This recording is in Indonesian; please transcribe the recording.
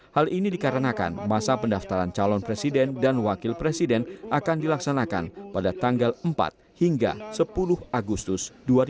hal ini dikarenakan masa pendaftaran calon presiden dan wakil presiden akan dilaksanakan pada tanggal empat hingga sepuluh agustus dua ribu dua puluh